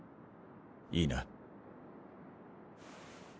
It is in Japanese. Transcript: いいな？